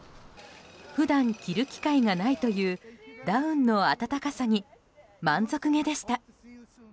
普段、着る機会がないというダウンの温かさに満足げでした。